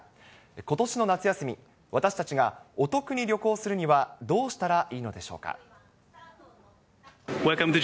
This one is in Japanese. ことしの夏休み、私たちがお得に旅行するには、どうしたらいいのでしょうか。